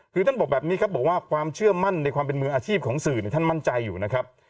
คือท่านบอกแบบนี้ครับบอกว่าความเชื่อมั่นในความเป็นมืออาชีพของสื่อท่านมั่นใจอยู่นะครับ